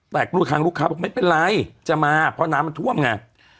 แต่กลุ่มค้างลูกค้าบอกไม่เป็นไรจะมาเพราะน้ำมันท่วมงาน